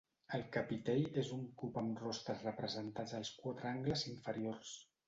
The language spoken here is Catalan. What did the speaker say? El capitell és un cub amb rostres representats als quatre angles inferiors.